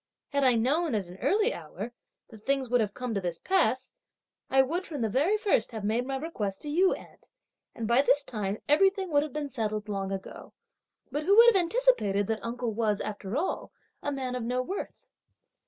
Had I known, at an early hour, that things would have come to this pass, I would, from the very first, have made my request to you, aunt; and by this time everything would have been settled long ago! But who would have anticipated that uncle was, after all, a man of no worth!"